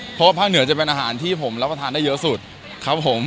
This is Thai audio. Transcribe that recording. เพราะว่าภาคเหนือจะเป็นอาหารที่ผมรับประทานได้เยอะสุดครับผม